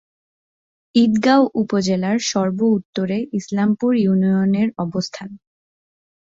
ঈদগাঁও উপজেলার সর্ব-উত্তরে ইসলামপুর ইউনিয়নের অবস্থান।